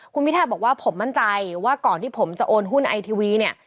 คุณพิทาบอกว่าผมมั่นใจว่าก่อนที่ผมจะโอนหุ้นไอทีวีเนี่ย